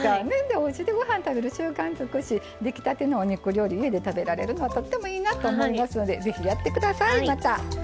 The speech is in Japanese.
おうちでご飯食べる習慣つくしできたてのお肉料理家で食べられるのはとってもいいなと思いますのでぜひやって下さいまた。